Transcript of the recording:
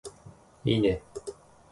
いいね